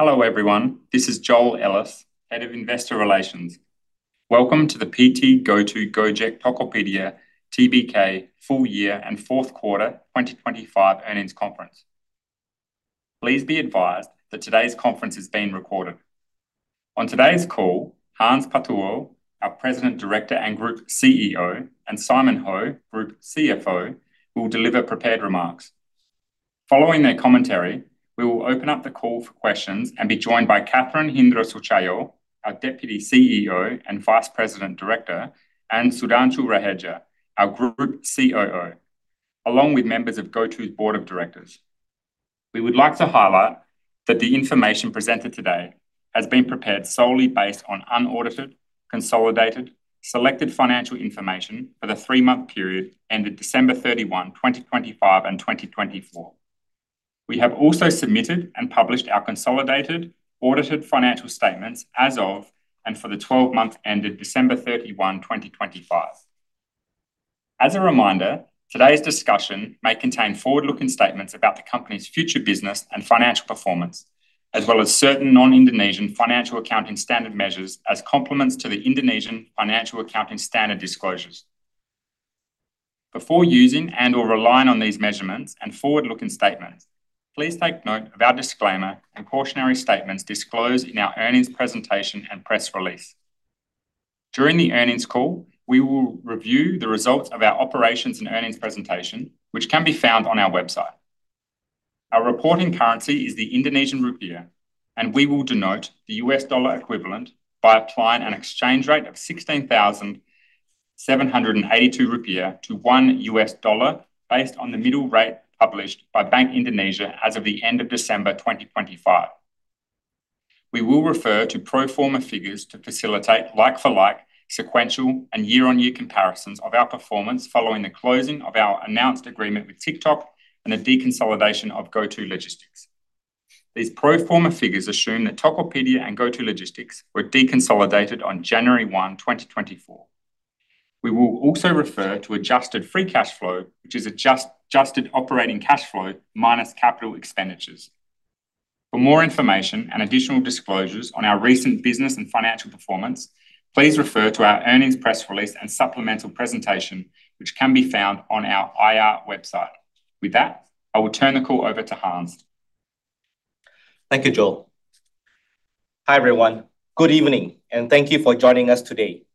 Hello, everyone. This is Joel Ellis, Head of Investor Relations. Welcome to the PT GoTo Gojek Tokopedia Tbk Full Year and Fourth Quarter 2025 Earnings Conference. Please be advised that today's conference is being recorded. On today's call, Hans Patuwo, our President Director and Group CEO, and Simon Ho, Group CFO, will deliver prepared remarks. Following their commentary, we will open up the call for questions and be joined by Catherine Hindra Sutjahyo, our Deputy CEO and Vice President Director, and Sudhanshu Raheja, our Group COO, along with members of GoTo's Board of Directors. We would like to highlight that the information presented today has been prepared solely based on unaudited, consolidated, selected financial information for the three-month period ended December 31, 2025 and 2024. We have also submitted and published our consolidated audited financial statements as of and for the 12-month ended December 31, 2025. As a reminder, today's discussion may contain forward-looking statements about the company's future business and financial performance, as well as certain non-Indonesian financial accounting standard measures as complements to the Indonesian financial accounting standard disclosures. Before using and/or relying on these measurements and forward-looking statements, please take note of our disclaimer and cautionary statements disclosed in our earnings presentation and press release. During the earnings call, we will review the results of our operations and earnings presentation, which can be found on our website. Our reporting currency is the Indonesian rupiah, and we will denote the U.S. dollar equivalent by applying an exchange rate of 16,782 rupiah to $1 based on the middle rate published by Bank Indonesia as of the end of December 2025. We will refer to pro forma figures to facilitate like for like sequential and year-on-year comparisons of our performance following the closing of our announced agreement with TikTok and the deconsolidation of GoTo Logistics. These pro forma figures assume that Tokopedia and GoTo Logistics were deconsolidated on January 1, 2024. We will also refer to adjusted free cash flow, which is adjusted operating cash flow minus capital expenditures. For more information and additional disclosures on our recent business and financial performance, please refer to our earnings press release and supplemental presentation, which can be found on our IR website. With that, I will turn the call over to Hans. Thank you, Joel. Hi, everyone. Good evening, and thank you for joining us today.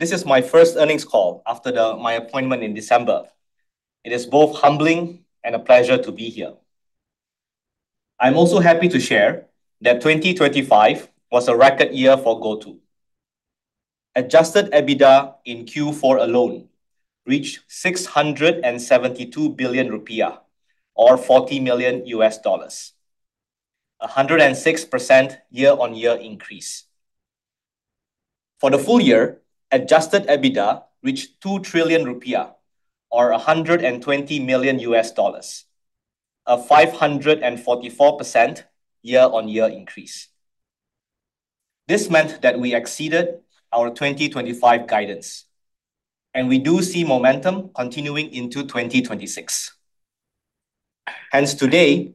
This is my first earnings call after my appointment in December. It is both humbling and a pleasure to be here. I'm also happy to share that 2025 was a record year for GoTo. Adjusted EBITDA in Q4 alone reached 672 billion rupiah or $40 million, a 106% year-on-year increase. For the full year, Adjusted EBITDA reached 2 trillion rupiah or $120 million, a 544% year-on-year increase. This meant that we exceeded our 2025 guidance, and we do see momentum continuing into 2026. Hence, today,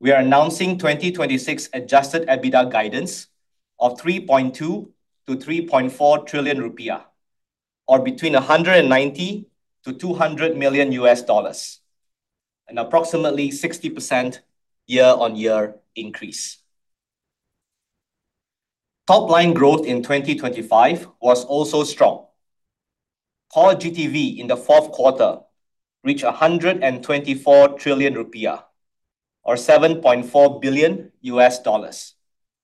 we are announcing 2026 Adjusted EBITDA guidance of 3.2 trillion-3.4 trillion rupiah or between $190 million-$200 million, an approximately 60% year-on-year increase. Top line growth in 2025 was also strong. Core GTV in the fourth quarter reached 124 trillion rupiah or $7.4 billion,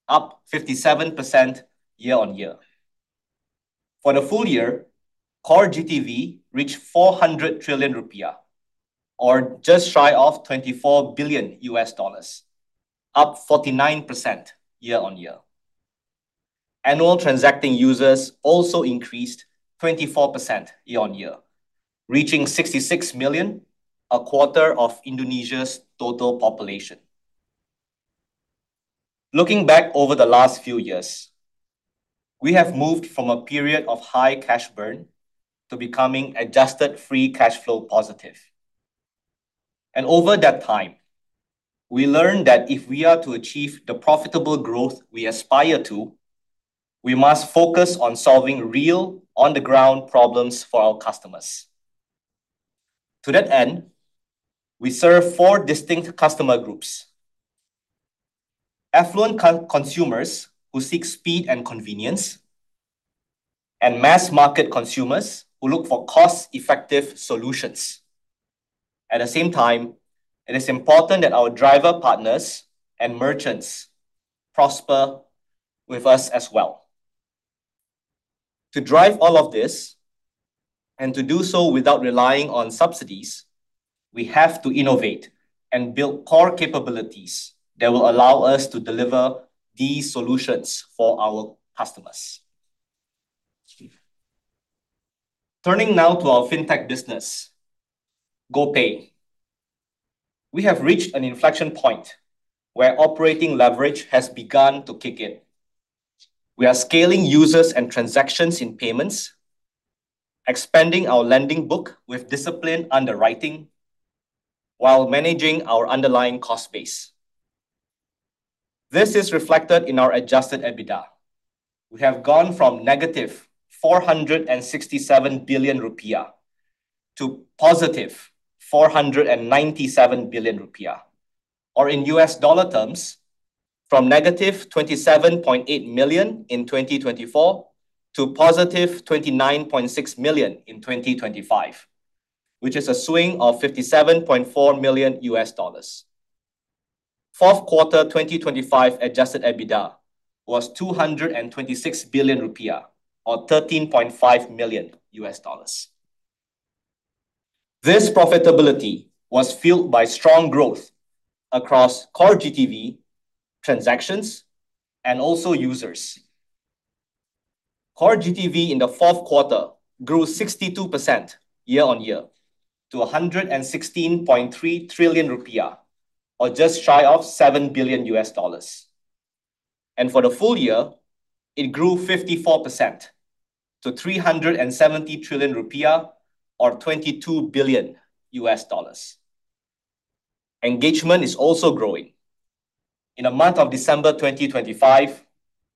up 57% year-on-year. For the full year, core GTV reached 400 trillion rupiah or just shy of $24 billion, up 49% year-on-year. Annual transacting users also increased 24% year-on-year, reaching 66 million, a quarter of Indonesia's total population. Looking back over the last few years, we have moved from a period of high cash burn to becoming adjusted free cash flow positive. Over that time, we learned that if we are to achieve the profitable growth we aspire to, we must focus on solving real on-the-ground problems for our customers. To that end, we serve four distinct customer groups, affluent consumers who seek speed and convenience, and mass-market consumers who look for cost-effective solutions. At the same time, it is important that our driver partners and merchants prosper with us as well. To drive all of this, and to do so without relying on subsidies, we have to innovate and build core capabilities that will allow us to deliver these solutions for our customers. Steve. Turning now to our fintech business, GoPay, we have reached an inflection point where operating leverage has begun to kick in. We are scaling users and transactions in payments, expanding our lending book with disciplined underwriting, while managing our underlying cost base. This is reflected in our Adjusted EBITDA. We have gone from negative 467 billion rupiah to positive 497 billion rupiah, or in U.S. dollar terms, from negative $27.8 million in 2024 to positive $29.6 million in 2025, which is a swing of $57.4 million. Fourth quarter 2025 Adjusted EBITDA was 226 billion rupiah, or $13.5 million. This profitability was fueled by strong growth across core GTV transactions and also users. Core GTV in the fourth quarter grew 62% year-on-year to 116.3 trillion rupiah, or just shy of $7 billion. For the full year, it grew 54% to IDR 370 trillion or $22 billion. Engagement is also growing. In the month of December 2025,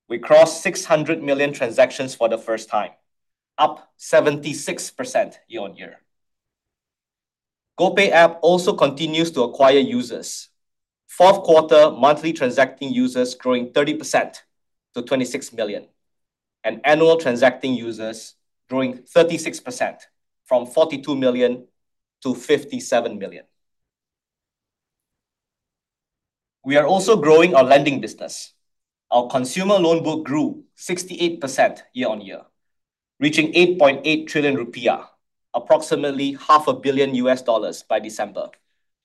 we crossed 600 million transactions for the first time, up 76% year-on-year. GoPay app also continues to acquire users. Fourth quarter monthly transacting users growing 30% to 26 million, and annual transacting users growing 36% from 42 million to 57 million. We are also growing our lending business. Our consumer loan book grew 68% year-on-year, reaching 8.8 trillion rupiah, approximately $0.5 billion by December,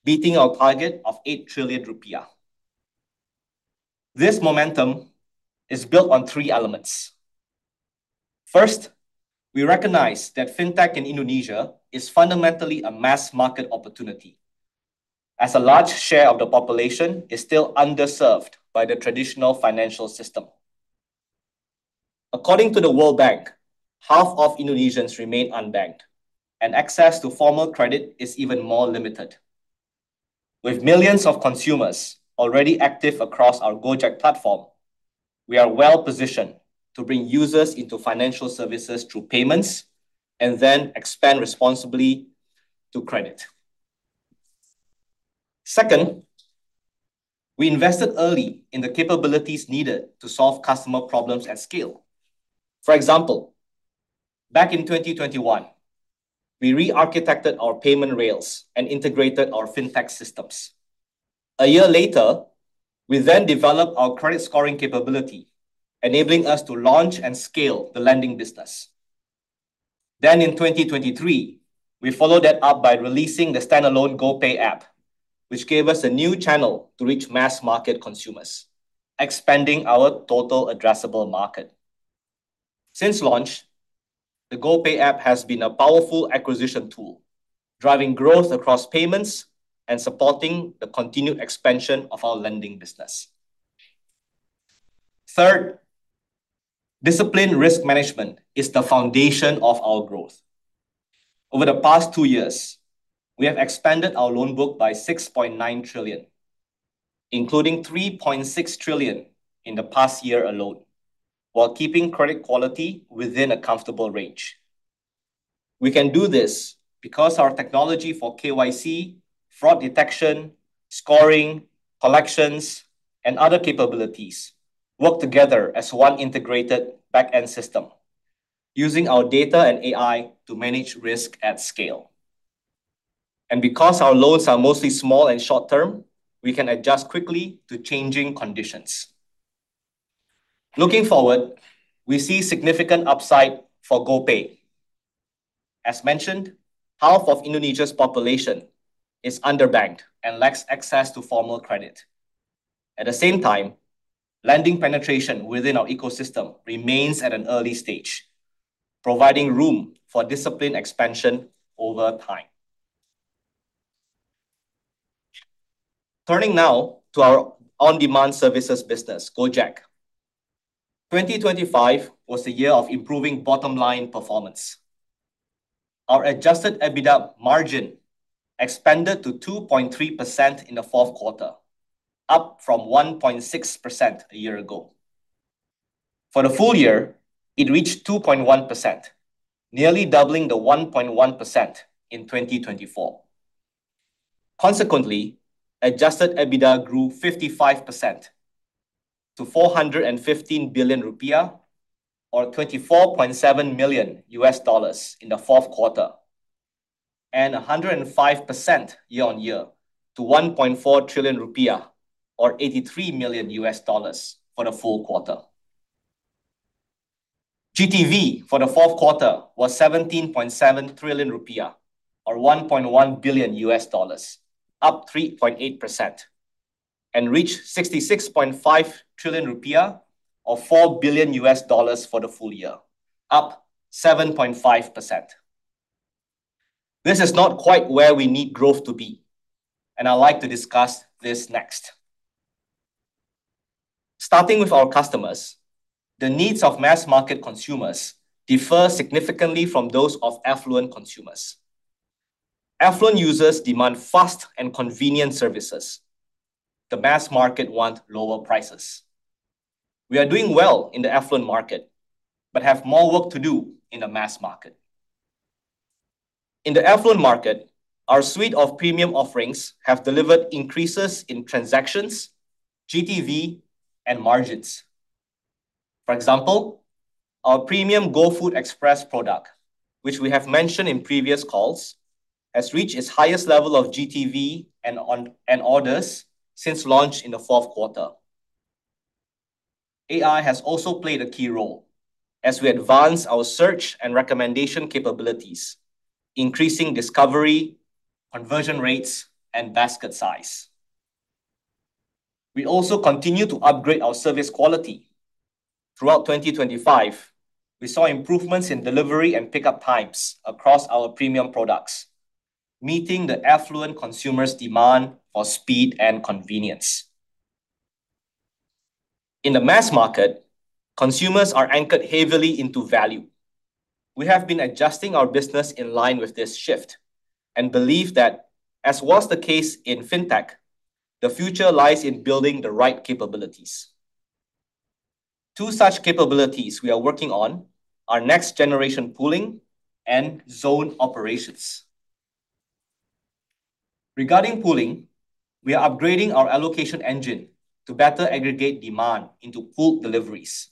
beating our target of 8 trillion rupiah. This momentum is built on three elements. First, we recognize that fintech in Indonesia is fundamentally a mass market opportunity, as a large share of the population is still underserved by the traditional financial system. According to the World Bank, half of Indonesians remain unbanked, and access to formal credit is even more limited. With millions of consumers already active across our Gojek platform, we are well-positioned to bring users into financial services through payments and then expand responsibly to credit. Second, we invested early in the capabilities needed to solve customer problems at scale. For example, back in 2021, we re-architected our payment rails and integrated our fintech systems. A year later, we then developed our credit scoring capability, enabling us to launch and scale the lending business. In 2023, we followed that up by releasing the standalone GoPay app, which gave us a new channel to reach mass market consumers, expanding our total addressable market. Since launch, the GoPay app has been a powerful acquisition tool, driving growth across payments and supporting the continued expansion of our lending business. Third, disciplined risk management is the foundation of our growth. Over the past two years, we have expanded our loan book by 6.9 trillion, including 3.6 trillion in the past year alone, while keeping credit quality within a comfortable range. We can do this because our technology for KYC, fraud detection, scoring, collections, and other capabilities work together as one integrated back-end system, using our data and AI to manage risk at scale. Because our loans are mostly small and short-term, we can adjust quickly to changing conditions. Looking forward, we see significant upside for GoPay. As mentioned, half of Indonesia's population is underbanked and lacks access to formal credit. At the same time, lending penetration within our ecosystem remains at an early stage, providing room for disciplined expansion over time. Turning now to our on-demand services business, Gojek. 2025 was the year of improving bottom-line performance. Our Adjusted EBITDA margin expanded to 2.3% in the fourth quarter, up from 1.6% a year ago. For the full year, it reached 2.1%, nearly doubling the 1.1% in 2024. Consequently, Adjusted EBITDA grew 55% to IDR 415 billion or $24.7 million in the fourth quarter, and 105% year-on-year to 1.4 trillion rupiah or $83 million for the full quarter. GTV for the fourth quarter was 17.7 trillion rupiah or $1.1 billion, up 3.8%, and reached IDR 66.5 trillion or $4 billion for the full year, up 7.5%. This is not quite where we need growth to be, and I'd like to discuss this next. Starting with our customers, the needs of mass market consumers differ significantly from those of affluent consumers. Affluent users demand fast and convenient services. The mass market want lower prices. We are doing well in the affluent market, but have more work to do in the mass market. In the affluent market, our suite of premium offerings have delivered increases in transactions, GTV, and margins. For example, our premium GoFood Express product, which we have mentioned in previous calls, has reached its highest level of GTV and orders since launch in the fourth quarter. AI has also played a key role as we advance our search and recommendation capabilities, increasing discovery, conversion rates, and basket size. We also continue to upgrade our service quality. Throughout 2025, we saw improvements in delivery and pickup times across our premium products, meeting the affluent consumers' demand for speed and convenience. In the mass market, consumers are anchored heavily into value. We have been adjusting our business in line with this shift and believe that, as was the case in fintech, the future lies in building the right capabilities. Two such capabilities we are working on are next generation pooling and zone operations. Regarding pooling, we are upgrading our allocation engine to better aggregate demand into pooled deliveries.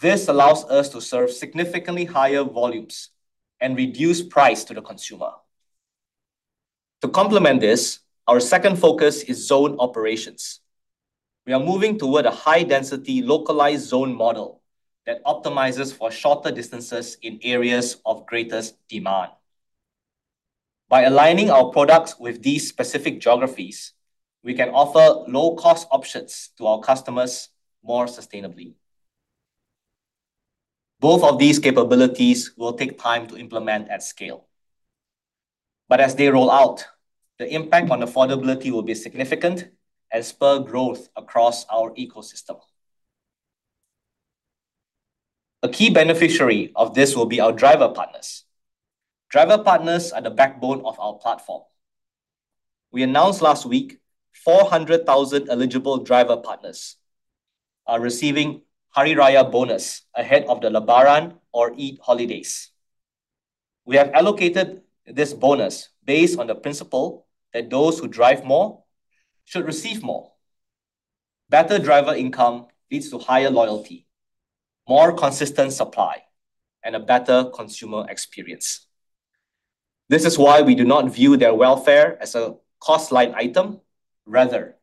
This allows us to serve significantly higher volumes and reduce price to the consumer. To complement this, our second focus is zone operations. We are moving toward a high-density localized zone model that optimizes for shorter distances in areas of greatest demand. By aligning our products with these specific geographies, we can offer low-cost options to our customers more sustainably. Both of these capabilities will take time to implement at scale. As they roll out, the impact on affordability will be significant and spur growth across our ecosystem. A key beneficiary of this will be our driver partners. Driver partners are the backbone of our platform. We announced last week 400,000 eligible driver partners are receiving Hari Raya bonus ahead of the Lebaran or Eid holidays. We have allocated this bonus based on the principle that those who drive more should receive more. Better driver income leads to higher loyalty, more consistent supply, and a better consumer experience. This is why we do not view their welfare as a cost line item. Rather,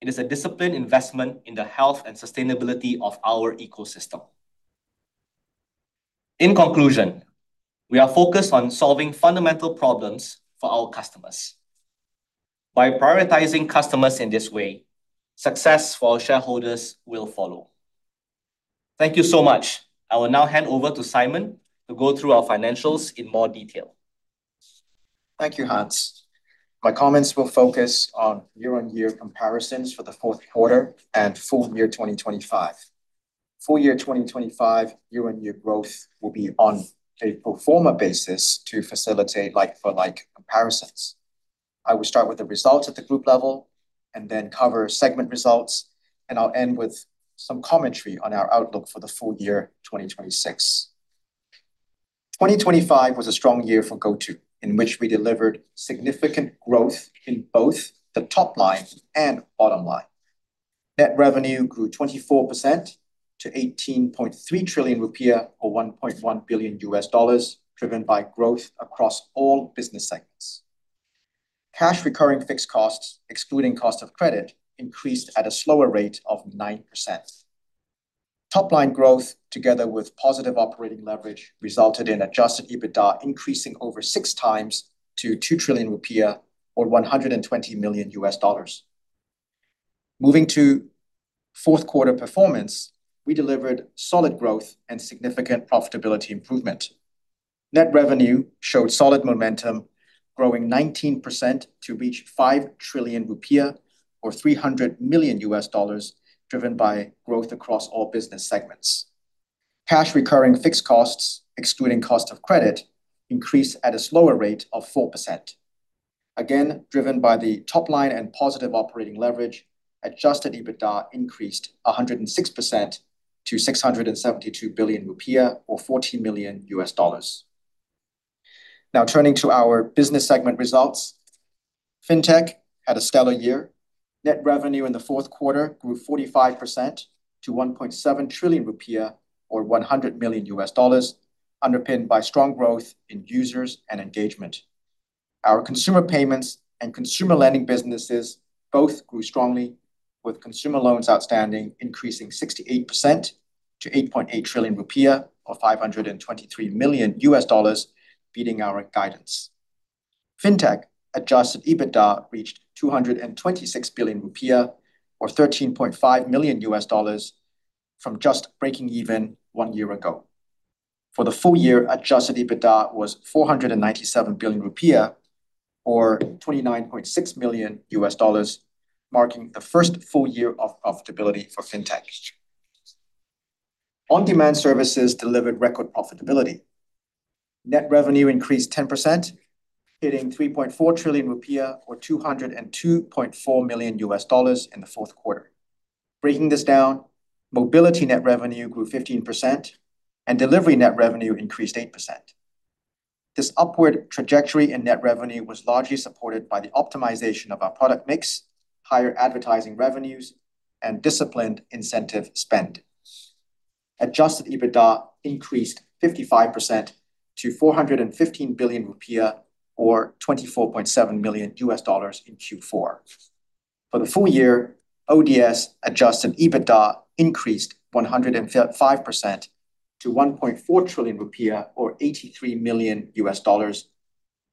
it is a disciplined investment in the health and sustainability of our ecosystem. In conclusion, we are focused on solving fundamental problems for our customers. By prioritizing customers in this way, success for our shareholders will follow. Thank you so much. I will now hand over to Simon to go through our financials in more detail. Thank you, Hans. My comments will focus on year-on-year comparisons for the fourth quarter and full year 2025. Full year 2025 year-on-year growth will be on a pro forma basis to facilitate like for like comparisons. I will start with the results at the group level and then cover segment results, and I'll end with some commentary on our outlook for the full year 2026. 2025 was a strong year for GoTo in which we delivered significant growth in both the top line and bottom line. Net revenue grew 24% to 18.3 trillion rupiah, or $1.1 billion, driven by growth across all business segments. Cash recurring fixed costs, excluding cost of credit, increased at a slower rate of 9%. Top line growth, together with positive operating leverage, resulted in Adjusted EBITDA increasing over 6x to 2 trillion rupiah, or $120 million. Moving to fourth quarter performance, we delivered solid growth and significant profitability improvement. Net revenue showed solid momentum, growing 19% to reach 5 trillion rupiah, or $300 million, driven by growth across all business segments. Cash recurring fixed costs, excluding cost of credit, increased at a slower rate of 4%. Again, driven by the top line and positive operating leverage, Adjusted EBITDA increased 106% to 672 billion rupiah, or $40 million. Now turning to our business segment results. Fintech had a stellar year. Net revenue in the fourth quarter grew 45% to 1.7 trillion rupiah or $100 million, underpinned by strong growth in users and engagement. Our consumer payments and consumer lending businesses both grew strongly, with consumer loans outstanding increasing 68% to 8.8 trillion rupiah, or $523 million, beating our guidance. Fintech Adjusted EBITDA reached 226 billion rupiah or $13.5 million from just breaking even one year ago. For the full year, Adjusted EBITDA was 497 billion rupiah or $29.6 million, marking the first full year of profitability for Fintech. On-demand services delivered record profitability. Net revenue increased 10%, hitting 3.4 trillion rupiah or $202.4 million in the fourth quarter. Breaking this down, mobility net revenue grew 15% and delivery net revenue increased 8%. This upward trajectory in net revenue was largely supported by the optimization of our product mix, higher advertising revenues, and disciplined incentive spend. Adjusted EBITDA increased 55% to 415 billion rupiah or $24.7 million in Q4. For the full year, ODS Adjusted EBITDA increased 150% to 1.4 trillion rupiah or $83 million,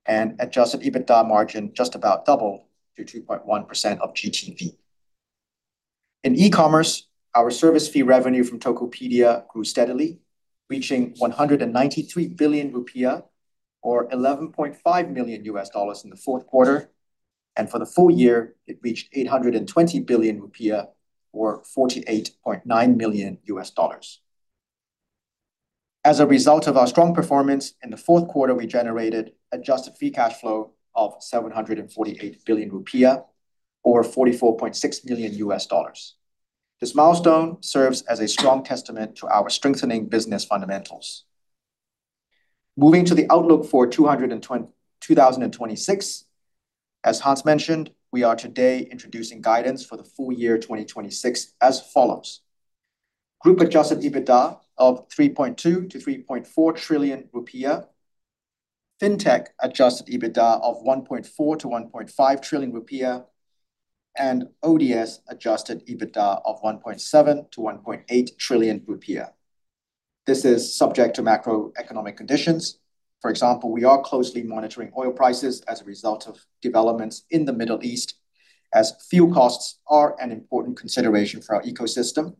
and Adjusted EBITDA margin just about doubled to 2.1% of GTV. In e-commerce, our service fee revenue from Tokopedia grew steadily, reaching 193 billion rupiah or $11.5 million in the fourth quarter. For the full year, it reached 820 billion rupiah or $48.9 million. As a result of our strong performance, in the fourth quarter, we generated adjusted free cash flow of 748 billion rupiah or $44.6 million. This milestone serves as a strong testament to our strengthening business fundamentals. Moving to the outlook for 2026, as Hans mentioned, we are today introducing guidance for the full year 2026 as follows. Group Adjusted EBITDA of 3.2 trillion-3.4 trillion rupiah, fintech Adjusted EBITDA of 1.4 trillion-1.5 trillion rupiah, and ODS Adjusted EBITDA of 1.7 trillion-1.8 trillion rupiah. This is subject to macroeconomic conditions. For example, we are closely monitoring oil prices as a result of developments in the Middle East, as fuel costs are an important consideration for our ecosystem.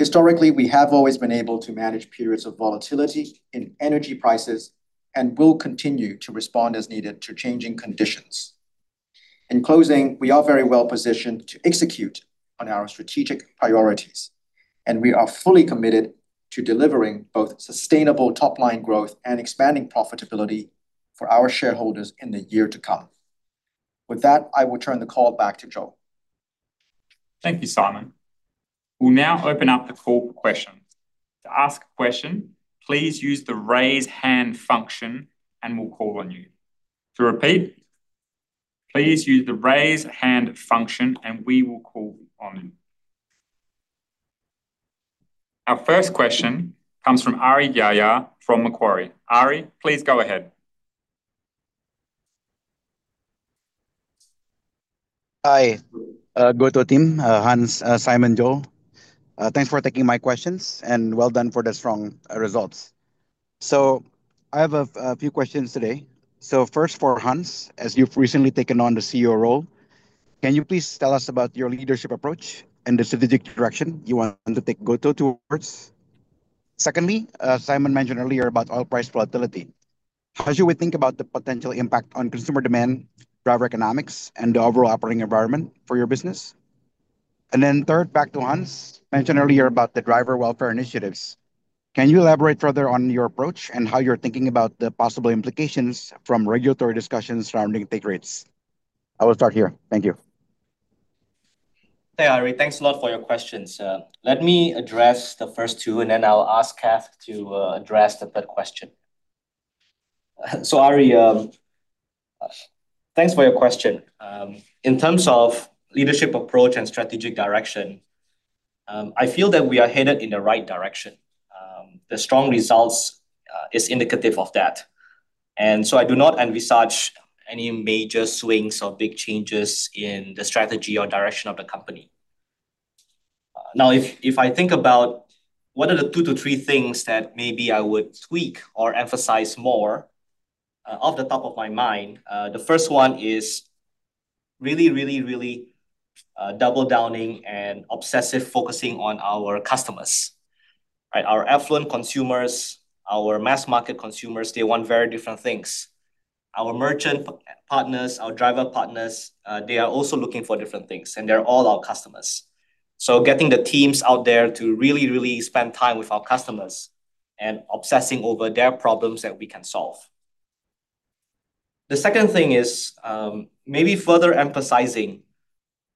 Historically, we have always been able to manage periods of volatility in energy prices and will continue to respond as needed to changing conditions. In closing, we are very well-positioned to execute on our strategic priorities, and we are fully committed to delivering both sustainable top-line growth and expanding profitability for our shareholders in the year to come. With that, I will turn the call back to Joel. Thank you, Simon. We'll now open up the call for questions. To ask a question, please use the Raise Hand function, and we'll call on you. To repeat, please use the Raise Hand function, and we will call on you. Our first question comes from Ari Jahja from Macquarie. Ari, please go ahead. Hi, GoTo team, Hans, Simon, Joel. Thanks for taking my questions, and well done for the strong results. I have a few questions today. First for Hans, as you've recently taken on the CEO role, can you please tell us about your leadership approach and the strategic direction you want to take GoTo toward? Secondly, Simon mentioned earlier about oil price volatility. How do you think about the potential impact on consumer demand, driver economics, and the overall operating environment for your business? Then third, back to Hans, mentioned earlier about the driver welfare initiatives. Can you elaborate further on your approach and how you're thinking about the possible implications from regulatory discussions surrounding take rates? I will start here. Thank you. Hey, Ari. Thanks a lot for your questions. Let me address the first two, and then I'll ask Cath to address the third question. Ari, thanks for your question. In terms of leadership approach and strategic direction, I feel that we are headed in the right direction. The strong results is indicative of that. I do not envisage any major swings or big changes in the strategy or direction of the company. Now, if I think about what are the two to three things that maybe I would tweak or emphasize more, off the top of my mind, the first one is really double-downing and obsessive focusing on our customers, right? Our affluent consumers, our mass market consumers, they want very different things. Our merchant partners, our driver partners, they are also looking for different things, and they're all our customers. Getting the teams out there to really, really spend time with our customers and obsessing over their problems that we can solve. The second thing is, maybe further emphasizing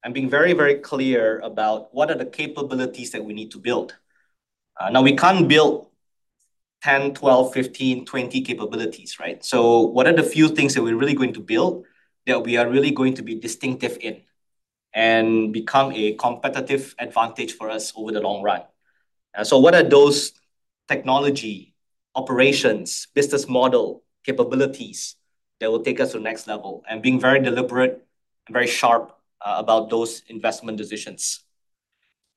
and being very, very clear about what are the capabilities that we need to build. Now, we can't build 10, 12, 15, 20 capabilities, right? What are the few things that we're really going to build that we are really going to be distinctive in and become a competitive advantage for us over the long run? What are those technology, operations, business model capabilities that will take us to the next level? Being very deliberate and very sharp, about those investment decisions.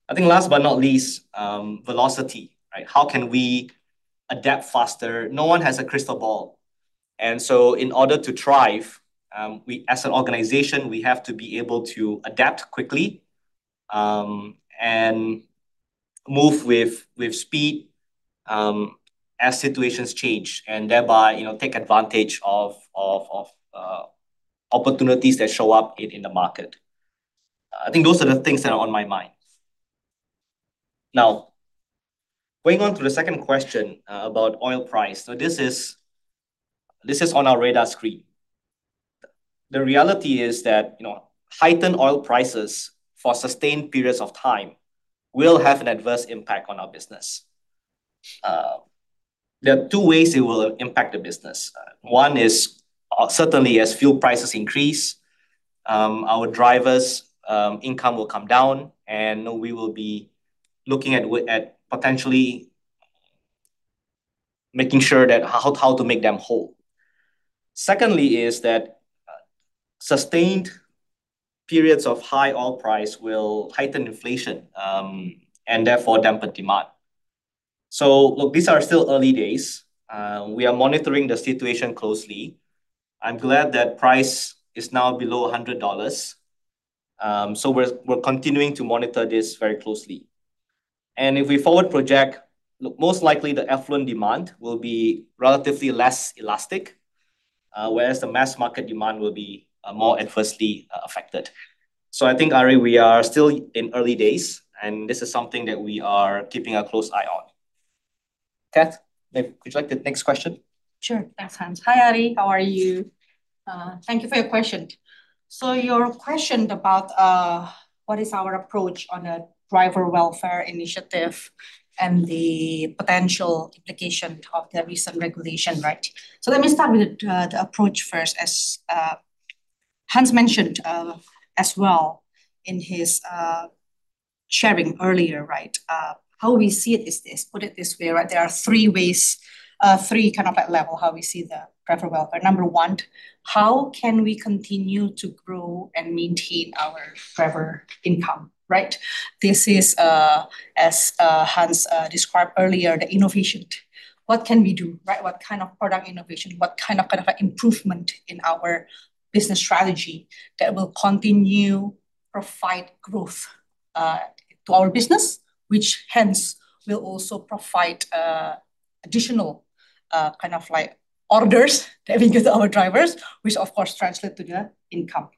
I think last but not least, velocity, right? How can we adapt faster? No one has a crystal ball. In order to thrive, we as an organization have to be able to adapt quickly, and move with speed, as situations change and thereby, you know, take advantage of opportunities that show up in the market. I think those are the things that are on my mind. Now, going on to the second question about oil prices. This is on our radar screen. The reality is that, you know, heightened oil prices for sustained periods of time will have an adverse impact on our business. There are two ways it will impact the business. One is certainly as fuel prices increase, our drivers' income will come down, and we will be looking at potentially making sure that how to make them whole. Secondly is that sustained periods of high oil price will heighten inflation and therefore dampen demand. Look, these are still early days. We are monitoring the situation closely. I'm glad that price is now below $100. We're continuing to monitor this very closely. If we forward project, look, most likely the affluent demand will be relatively less elastic, whereas the mass market demand will be more adversely affected. I think, Ari, we are still in early days, and this is something that we are keeping a close eye on. Cath, would you like the next question? Sure. Thanks, Hans. Hi, Ari. How are you? Thank you for your question. Your question about what is our approach on a driver welfare initiative and the potential implication of the recent regulation, right? Let me start with the approach first. As Hans mentioned as well in his sharing earlier, right? How we see it is this. Put it this way, right? There are three ways, three kind of like level, how we see the driver welfare. Number one, how can we continue to grow and maintain our driver income, right? This is as Hans described earlier, the innovation. What can we do, right? What kind of product innovation? What kind of improvement in our business strategy that will continue provide growth to our business, which hence will also provide additional kind of like orders that we give to our drivers, which of course translate to their income.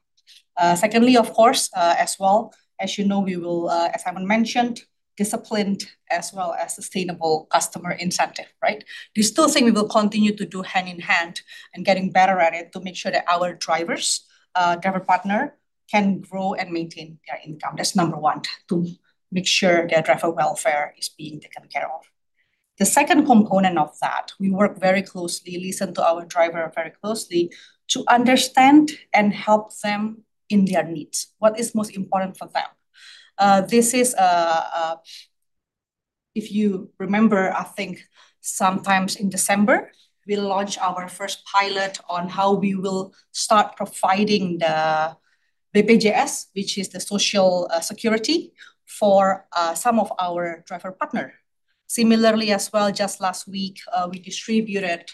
Secondly, of course, as well, as you know, we will, as Hans mentioned, disciplined as well as sustainable customer incentive, right? This is still something we will continue to do hand in hand and getting better at it to make sure that our drivers, driver partner can grow and maintain their income. That's number one, to make sure their driver welfare is being taken care of. The second component of that, we work very closely, listen to our driver very closely to understand and help them in their needs. What is most important for them? This is, if you remember, I think sometimes in December, we launched our first pilot on how we will start providing the BPJS, which is the social security for some of our driver partner. Similarly as well, just last week, we distributed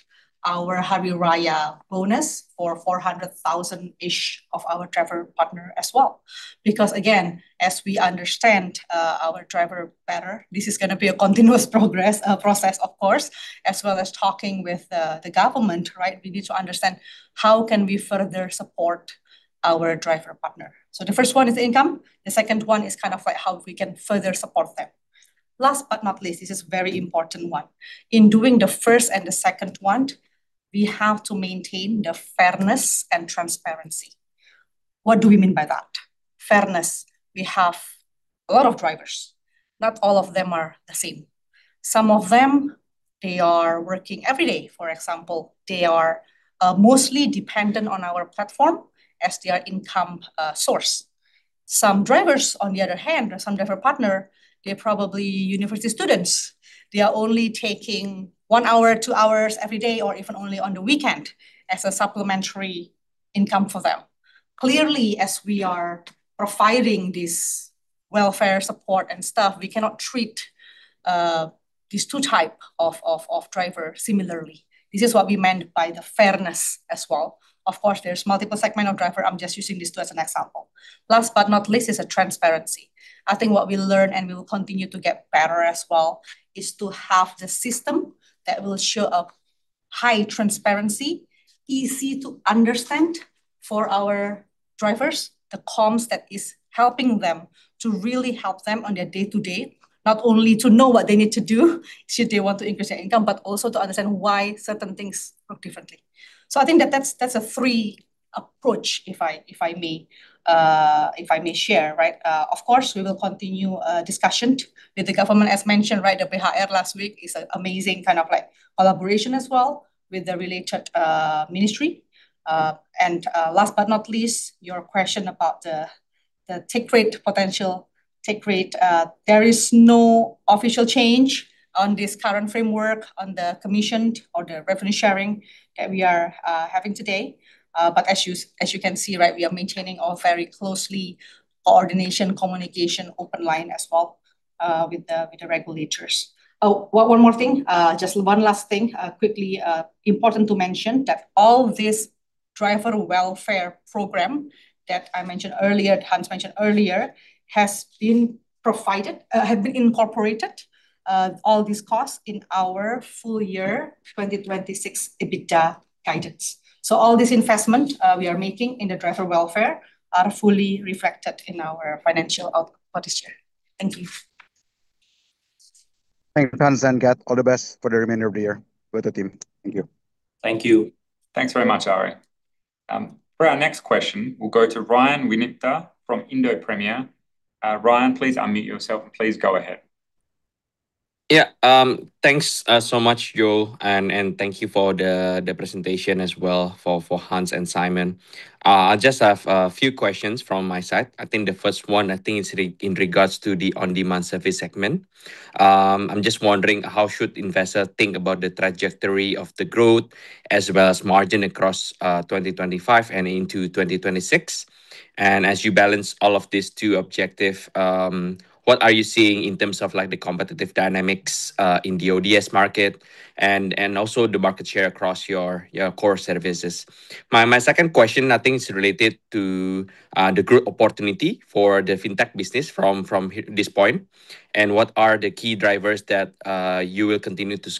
our Hari Raya bonus for 400,000-ish of our driver partner as well. Because again, as we understand our driver better, this is gonna be a continuous process of course, as well as talking with the government, right? We need to understand how can we further support our driver partner. The first one is income. The second one is kind of like how we can further support them. Last but not least, this is very important one. In doing the first and the second one, we have to maintain the fairness and transparency. What do we mean by that? Fairness. We have a lot of drivers. Not all of them are the same. Some of them, they are working every day, for example. They are mostly dependent on our platform as their income source. Some drivers, on the other hand, or some driver partner, they're probably university students. They are only taking one hour, two hours every day or even only on the weekend as a supplementary income for them. Clearly, as we are providing this welfare support and stuff, we cannot treat these two type of driver similarly. This is what we meant by the fairness as well. Of course, there's multiple segment of driver. I'm just using these two as an example. Last but not least is the transparency. I think what we learn and we will continue to get better as well is to have the system that will show a high transparency, easy to understand for our drivers, the comms that is helping them to really help them on their day-to-day, not only to know what they need to do should they want to increase their income, but also to understand why certain things work differently. I think that that's a three approach, if I may share, right? Of course, we will continue discussion with the government. As mentioned, right, the BHR last week is an amazing kind of like collaboration as well with the related ministry. Last but not least, your question about the ...the take rate potential, take rate, there is no official change on this current framework on the commission or the revenue sharing that we are, having today. As you can see, right, we are maintaining all very closely coordination, communication, open line as well, with the regulators. One more thing, just one last thing. Quickly, important to mention that all this driver welfare program that I mentioned earlier, Hans mentioned earlier, has been incorporated, all these costs in our full year 2026 EBITDA guidance. All this investment we are making in the driver welfare are fully reflected in our financial output for this year. Thank you. Thank you, Hans and Cath. All the best for the remainder of the year with the team. Thank you. Thank you. Thanks very much, Ari. For our next question, we'll go to Ryan Winipta from Indo Premier. Ryan, please unmute yourself and please go ahead. Yeah. Thanks so much, Joel, and thank you for the presentation as well for Hans and Simon. I just have a few questions from my side. I think the first one is in regards to the on-demand service segment. I'm just wondering how should investors think about the trajectory of the growth as well as margin across 2025 and into 2026. As you balance all of these two objective, what are you seeing in terms of like the competitive dynamics in the ODS market and also the market share across your core services? My second question I think is related to the growth opportunity for the fintech business from this point, and what are the key drivers that you will continue to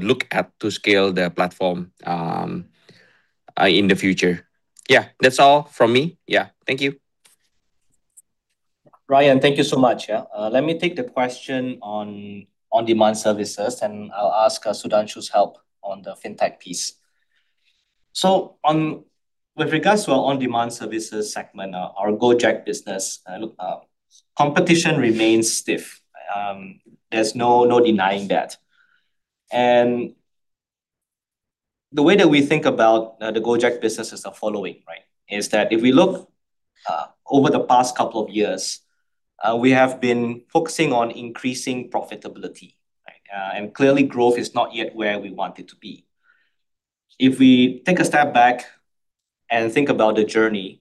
look at to scale the platform in the future? Yeah. That's all from me. Yeah. Thank you. Ryan, thank you so much, yeah. Let me take the question on on-demand services, and I'll ask Sudhanshu's help on the fintech piece. With regards to our on-demand services segment, our Gojek business, look, competition remains stiff. There's no denying that. The way that we think about the Gojek business is the following, right? Is that if we look over the past couple of years, we have been focusing on increasing profitability, right? Clearly growth is not yet where we want it to be. If we take a step back and think about the journey,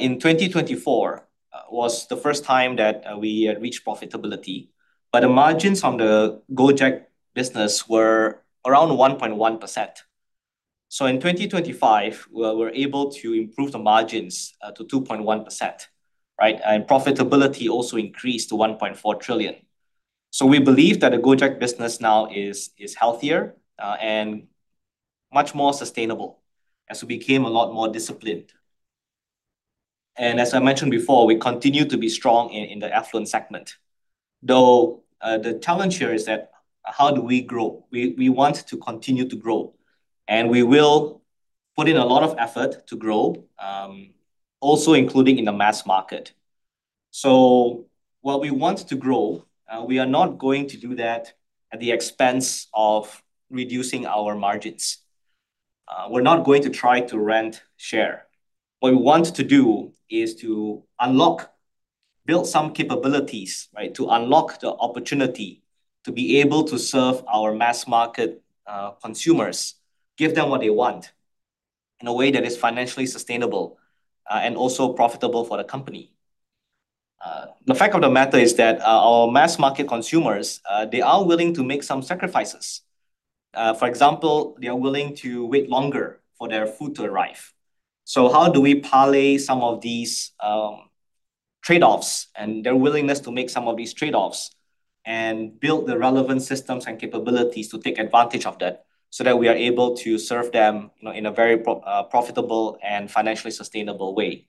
in 2024 was the first time that we reached profitability. The margins on the Gojek business were around 1.1%. In 2025, we're able to improve the margins to 2.1%, right? Profitability also increased to 1.4 trillion. We believe that the Gojek business now is healthier and much more sustainable as we became a lot more disciplined. As I mentioned before, we continue to be strong in the affluent segment. Though the challenge here is that how do we grow? We want to continue to grow, and we will put in a lot of effort to grow also including in the mass market. While we want to grow, we are not going to do that at the expense of reducing our margins. We're not going to try to gain share. What we want to do is to unlock, build some capabilities, right? To unlock the opportunity to be able to serve our mass market consumers, give them what they want in a way that is financially sustainable, and also profitable for the company. The fact of the matter is that our mass market consumers, they are willing to make some sacrifices. For example, they are willing to wait longer for their food to arrive. How do we parlay some of these trade-offs and their willingness to make some of these trade-offs and build the relevant systems and capabilities to take advantage of that so that we are able to serve them, you know, in a very profitable and financially sustainable way?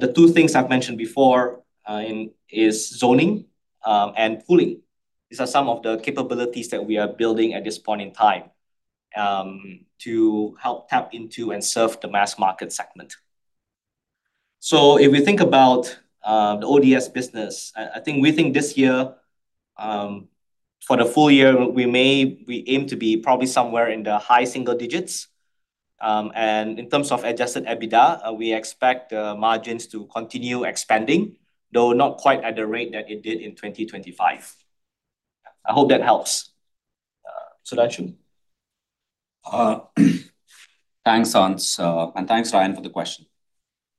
The two things I've mentioned before is zoning and pooling. These are some of the capabilities that we are building at this point in time to help tap into and serve the mass market segment. If we think about the ODS business, I think this year, for the full year, we aim to be probably somewhere in the high single digits. And in terms of Adjusted EBITDA, we expect the margins to continue expanding, though not quite at the rate that it did in 2025. I hope that helps. Sudhanshu. Thanks, Hans. Thanks, Ryan, for the question.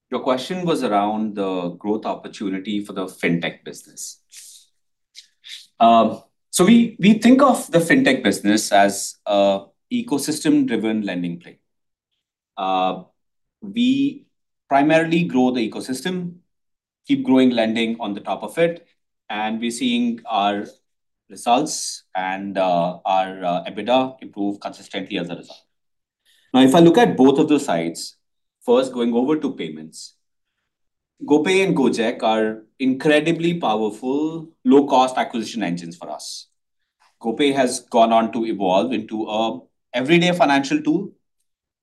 Your question was around the growth opportunity for the fintech business. We think of the fintech business as a ecosystem-driven lending play. We primarily grow the ecosystem, keep growing lending on the top of it, and we're seeing our results and our EBITDA improve consistently as a result. Now, if I look at both of the sides, first going over to payments, GoPay and Gojek are incredibly powerful low-cost acquisition engines for us. GoPay has gone on to evolve into a everyday financial tool,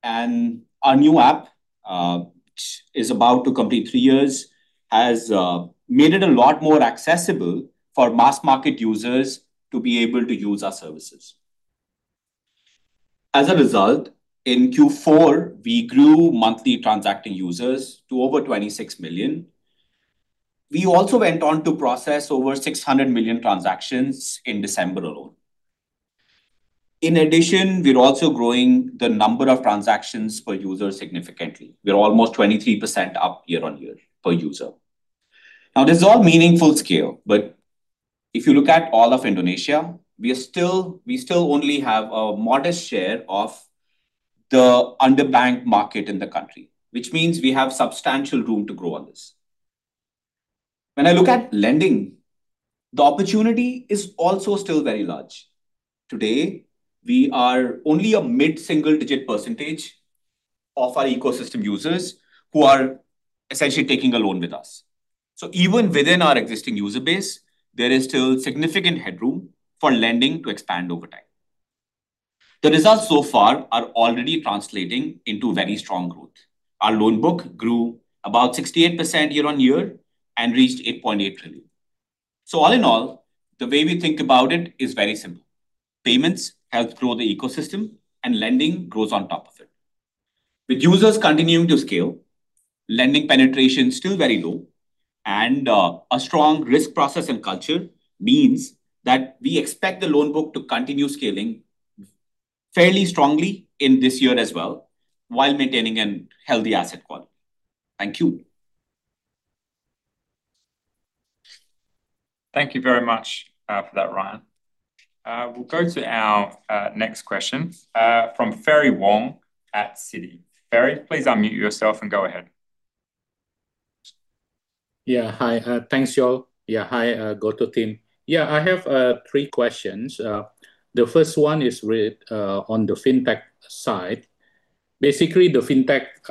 and our new app, which is about to complete three years, has made it a lot more accessible for mass market users to be able to use our services. As a result, in Q4, we grew monthly transacting users to over 26 million. We also went on to process over 600 million transactions in December alone. In addition, we're also growing the number of transactions per user significantly. We're almost 23% up year-on-year per user. Now, this is all meaningful scale, but if you look at all of Indonesia, we still only have a modest share of the underbanked market in the country, which means we have substantial room to grow on this. When I look at lending, the opportunity is also still very large. Today, we are only a mid-single digit percentage of our ecosystem users who are essentially taking a loan with us. Even within our existing user base, there is still significant headroom for lending to expand over time. The results so far are already translating into very strong growth. Our loan book grew about 68% year-on-year and reached 8.8 trillion. All in all, the way we think about it is very simple. Payments help grow the ecosystem, and lending grows on top of it. With users continuing to scale, lending penetration is still very low, and a strong risk process and culture means that we expect the loan book to continue scaling fairly strongly in this year as well while maintaining a healthy asset quality. Thank you. Thank you very much for that, Ryan. We'll go to our next question from Ferry Wong at Citi. Ferry, please unmute yourself and go ahead. Thanks, y'all. Hi, GoTo team. I have three questions. The first one is on the fintech side. Basically, the fintech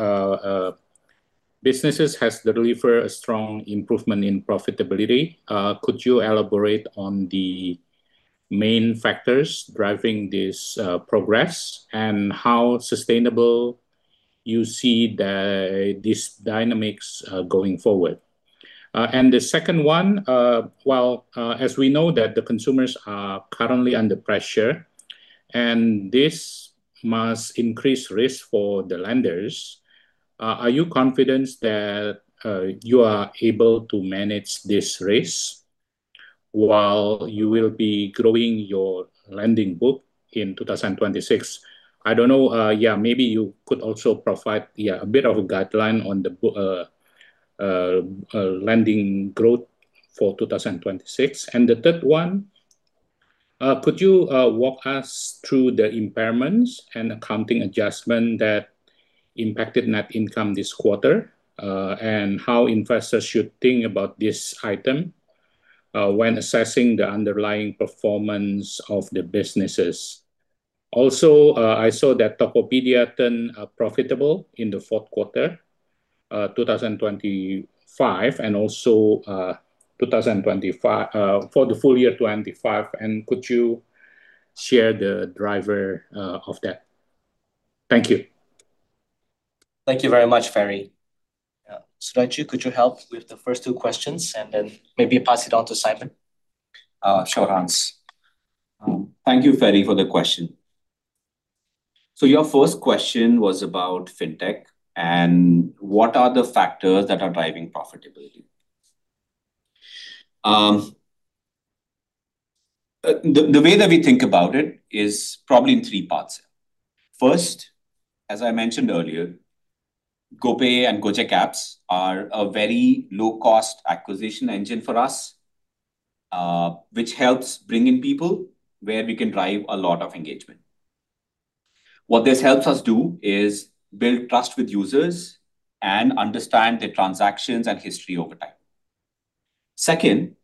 businesses has delivered a strong improvement in profitability. Could you elaborate on the main factors driving this progress and how sustainable you see these dynamics going forward? The second one, while, as we know that the consumers are currently under pressure, and this must increase risk for the lenders, are you confident that you are able to manage this risk while you will be growing your lending book in 2026? I don't know, yeah, maybe you could also provide a bit of a guideline on the lending growth for 2026. The third one, could you walk us through the impairments and accounting adjustment that impacted net income this quarter, and how investors should think about this item when assessing the underlying performance of the businesses? Also, I saw that Tokopedia turned profitable in the fourth quarter 2025, and also for the full year 2025, and could you share the driver of that? Thank you. Thank you very much, Ferry Wong. Yeah. Sudhanshu, could you help with the first two questions and then maybe pass it on to Simon? Sure, Hans. Thank you, Ferry Wong, for the question. Your first question was about fintech and what are the factors that are driving profitability. The way that we think about it is probably in three parts. First, as I mentioned earlier, GoPay and Gojek apps are a very low-cost acquisition engine for us, which helps bring in people where we can drive a lot of engagement. What this helps us do is build trust with users and understand their transactions and history over time. Second,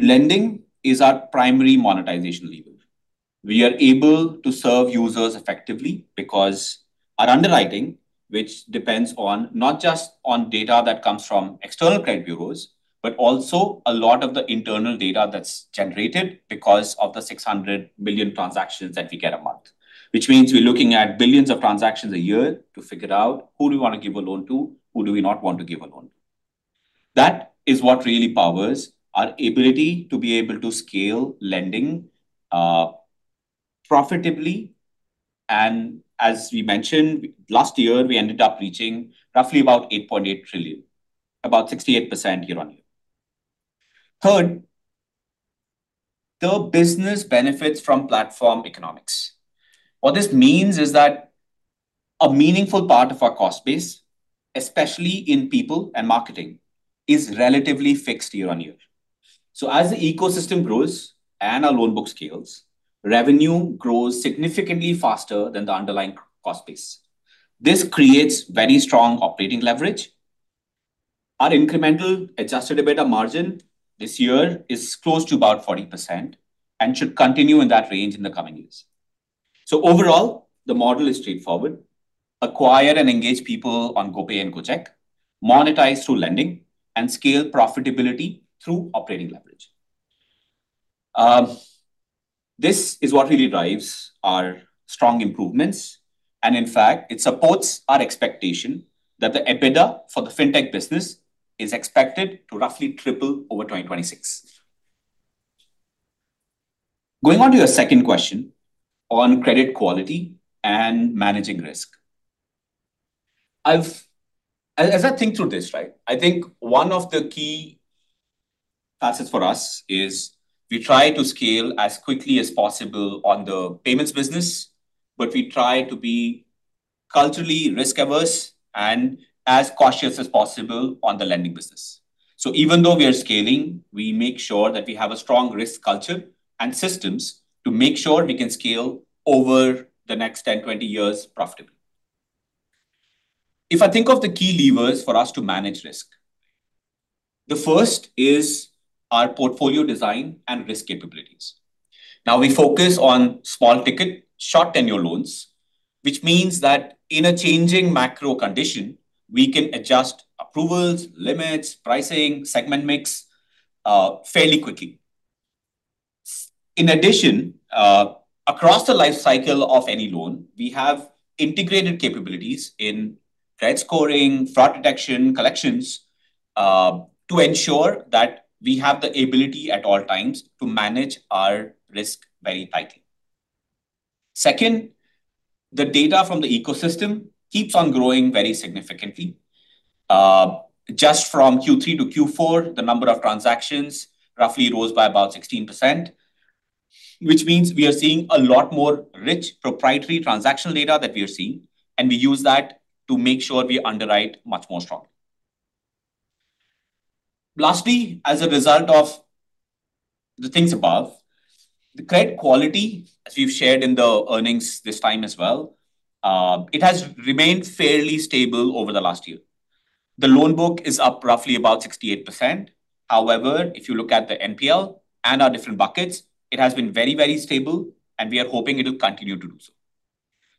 lending is our primary monetization lever. We are able to serve users effectively because our underwriting, which depends on not just on data that comes from external credit bureaus, but also a lot of the internal data that's generated because of the 600 million transactions that we get a month. Which means we're looking at billions of transactions a year to figure out who do we wanna give a loan to, who do we not want to give a loan to. That is what really powers our ability to be able to scale lending, profitably and as we mentioned, last year, we ended up reaching roughly about 8.8 trillion, about 68% year-on-year. Third, the business benefits from platform economics. What this means is that a meaningful part of our cost base, especially in people and marketing, is relatively fixed year-on-year. As the ecosystem grows and our loan book scales, revenue grows significantly faster than the underlying cost base. This creates very strong operating leverage. Our incremental Adjusted EBITDA margin this year is close to about 40% and should continue in that range in the coming years. Overall, the model is straightforward. Acquire and engage people on GoPay and Gojek, monetize through lending, and scale profitability through operating leverage. This is what really drives our strong improvements, and in fact, it supports our expectation that the EBITDA for the fintech business is expected to roughly triple over 2026. Going on to your second question on credit quality and managing risk. As I think through this, right? I think one of the key assets for us is we try to scale as quickly as possible on the payments business, but we try to be culturally risk-averse and as cautious as possible on the lending business. Even though we are scaling, we make sure that we have a strong risk culture and systems to make sure we can scale over the next 10, 20 years profitably. If I think of the key levers for us to manage risk, the first is our portfolio design and risk capabilities. Now, we focus on small ticket, short tenure loans, which means that in a changing macro condition, we can adjust approvals, limits, pricing, segment mix, fairly quickly. In addition, across the life cycle of any loan, we have integrated capabilities in credit scoring, fraud detection, collections, to ensure that we have the ability at all times to manage our risk very tightly. Second, the data from the ecosystem keeps on growing very significantly. Just from Q3 to Q4, the number of transactions roughly rose by about 16%, which means we are seeing a lot more rich proprietary transaction data that we are seeing, and we use that to make sure we underwrite much more strongly. Lastly, as a result of the things above, the credit quality, as we've shared in the earnings this time as well, it has remained fairly stable over the last year. The loan book is up roughly about 68%. However, if you look at the NPL and our different buckets, it has been very, very stable, and we are hoping it'll continue to do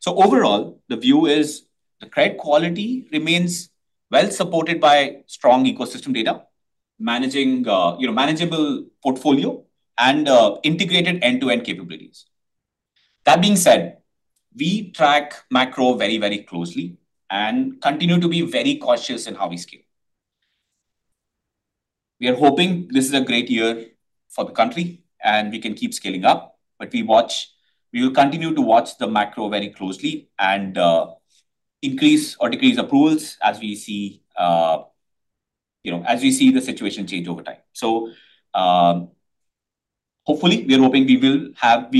so. Overall, the view is the credit quality remains well supported by strong ecosystem data, managing, you know, manageable portfolio and, integrated end-to-end capabilities. That being said, we track macro very, very closely and continue to be very cautious in how we scale. We are hoping this is a great year for the country, and we can keep scaling up, but we watch. We will continue to watch the macro very closely and, increase or decrease approvals as we see, you know, as we see the situation change over time. Hopefully, we are hoping we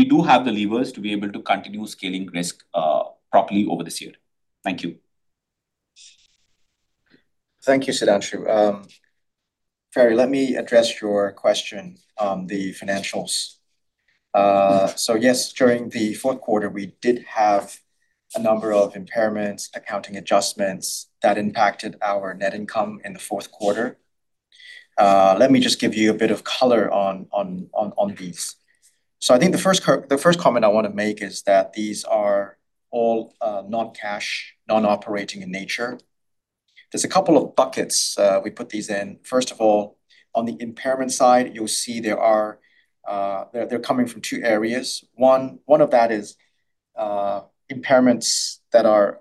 do have the levers to be able to continue scaling risk, properly over this year. Thank you. Thank you, Sudhanshu. Ferry, let me address your question on the financials. Yes, during the fourth quarter, we did have a number of impairments, accounting adjustments that impacted our net income in the fourth quarter. Let me just give you a bit of color on these. I think the first comment I wanna make is that these are all non-cash, non-operating in nature. There's a couple of buckets we put these in. First of all, on the impairment side, you'll see there are they're coming from two areas. One of that is impairments that are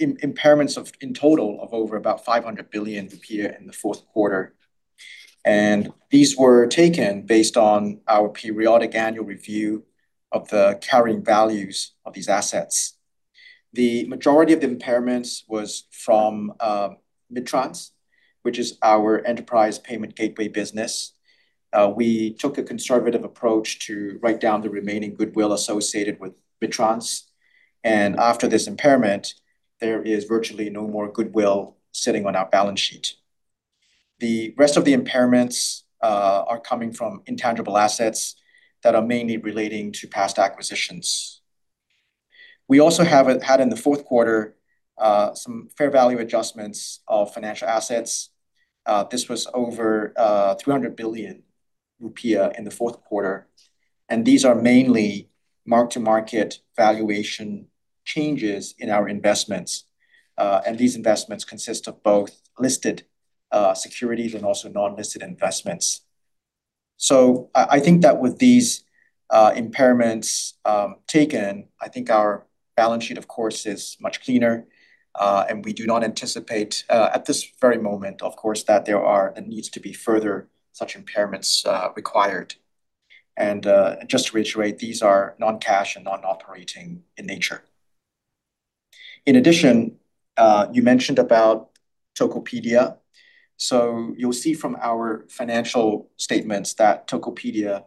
impairments of in total of over about 500 billion in the fourth quarter. These were taken based on our periodic annual review of the carrying values of these assets. The majority of the impairments was from Midtrans, which is our enterprise payment gateway business. We took a conservative approach to write down the remaining goodwill associated with Midtrans, and after this impairment, there is virtually no more goodwill sitting on our balance sheet. The rest of the impairments are coming from intangible assets that are mainly relating to past acquisitions. We had in the fourth quarter some fair value adjustments of financial assets. This was over 300 billion rupiah in the fourth quarter, and these are mainly mark-to-market valuation changes in our investments. These investments consist of both listed securities and also non-listed investments. I think that with these impairments taken, I think our balance sheet, of course, is much cleaner, and we do not anticipate at this very moment, of course, that there is a need to be further such impairments required. Just to reiterate, these are non-cash and non-operating in nature. In addition, you mentioned about Tokopedia. You'll see from our financial statements that Tokopedia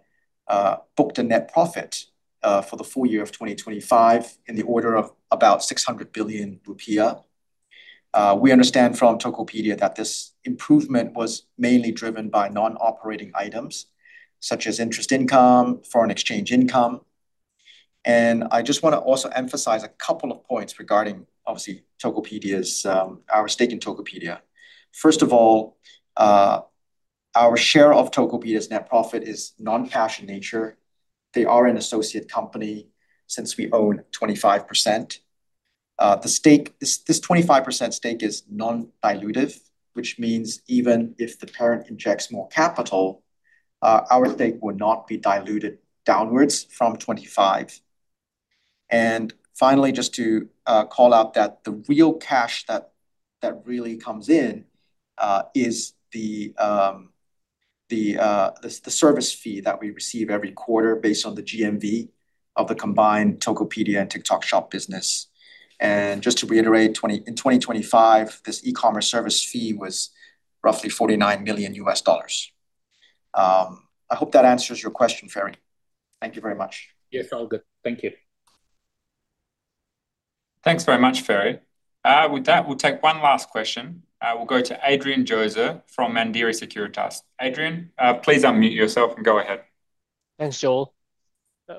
booked a net profit for the full year of 2025 in the order of about 600 billion rupiah. We understand from Tokopedia that this improvement was mainly driven by non-operating items such as interest income, foreign exchange income. I just wanna also emphasize a couple of points regarding obviously Tokopedia's our stake in Tokopedia. First of all, our share of Tokopedia's net profit is non-cash in nature. They are an associate company since we own 25%. The stake, this 25% stake is non-dilutive, which means even if the parent injects more capital, our stake will not be diluted downwards from 25%. Finally, just to call out that the real cash that really comes in is the service fee that we receive every quarter based on the GMV of the combined Tokopedia and TikTok Shop business. Just to reiterate, in 2025, this eCommerce service fee was roughly $49 million. I hope that answers your question, Ferry. Thank you very much. Yes, all good. Thank you. Thanks very much, Ferry. With that, we'll take one last question. We'll go to Adrian Joezer from Mandiri Sekuritas. Adrian, please unmute yourself and go ahead. Thanks, Joel.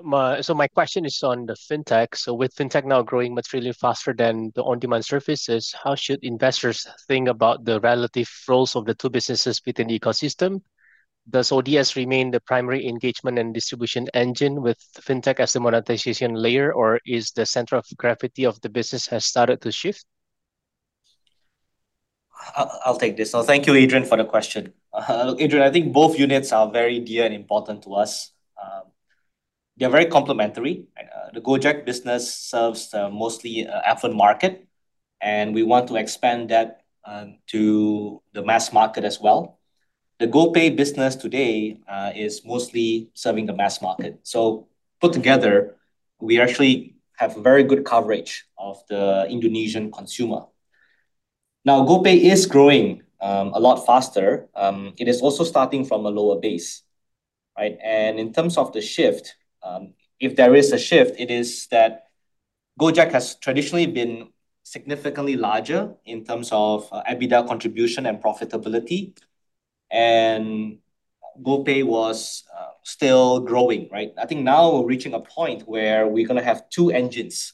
My question is on the fintech. With fintech now growing materially faster than the on-demand services, how should investors think about the relative roles of the two businesses within the ecosystem? Does ODS remain the primary engagement and distribution engine with fintech as the monetization layer, or is the center of gravity of the business has started to shift? I'll take this. Thank you, Adrian, for the question. Adrian, I think both units are very dear and important to us. They're very complementary. The Gojek business serves the mostly affluent market, and we want to expand that to the mass market as well. The GoPay business today is mostly serving the mass market. Put together, we actually have very good coverage of the Indonesian consumer. Now, GoPay is growing a lot faster. It is also starting from a lower base, right? In terms of the shift, if there is a shift, it is that Gojek has traditionally been significantly larger in terms of EBITDA contribution and profitability, and GoPay was still growing, right? I think now we're reaching a point where we're gonna have two engines.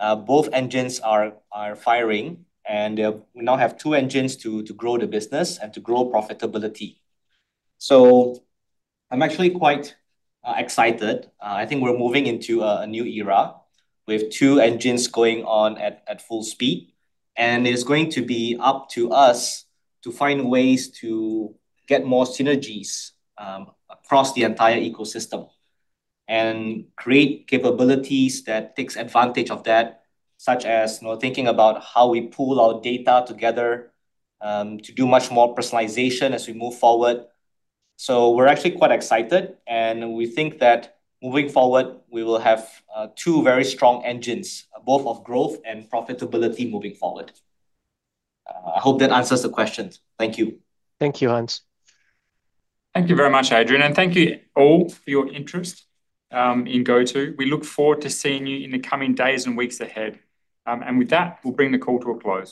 Both engines are firing, and we now have two engines to grow the business and to grow profitability. I'm actually quite excited. I think we're moving into a new era. We have two engines going on at full speed, and it's going to be up to us to find ways to get more synergies across the entire ecosystem and create capabilities that takes advantage of that, such as you know, thinking about how we pool our data together to do much more personalization as we move forward. We're actually quite excited, and we think that moving forward, we will have two very strong engines, both of growth and profitability moving forward. I hope that answers the questions. Thank you. Thank you, Hans. Thank you very much, Adrian, and thank you all for your interest in GoTo. We look forward to seeing you in the coming days and weeks ahead. With that, we'll bring the call to a close.